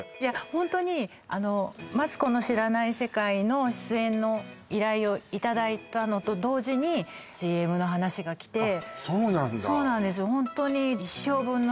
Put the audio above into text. ホントにあの「マツコの知らない世界」の出演の依頼をいただいたのと同時にＣＭの話がきてあっそうなんだそうなんですよ